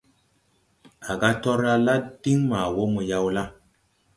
À ga: « Torla la diŋ ma wɔ mo yawla? ».